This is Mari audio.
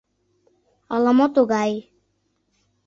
— Ала-мо тугай!